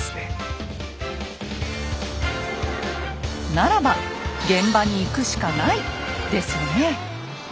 ならば現場に行くしかない！ですよね。